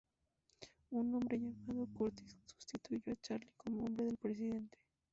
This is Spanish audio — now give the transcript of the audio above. Un hombre llamado Curtis sustituyó a Charlie como "hombre del presidente".